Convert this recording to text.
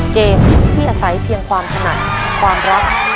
เกมที่อาศัยเพียงความถนัดความรัก